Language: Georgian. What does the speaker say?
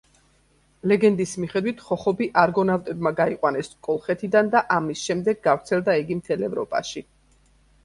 ლეგენდის მიხედვით ხოხობი არგონავტებმა გაიყვანეს კოლხეთიდან და ამის შემდეგ გავრცელდა იგი მთელ ევროპაში.